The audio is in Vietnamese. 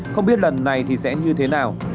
không biết lần này thì sẽ như thế nào